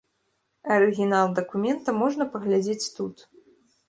Арыгінал дакумента можна паглядзець тут.